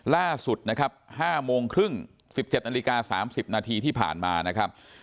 ล่าสุด๕โมงครึ่ง๑๗นาฬิกา๓๐นาทีที่ผ่านมา